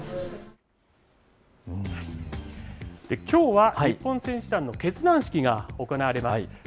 きょうは、日本選手団の結団式が行われます。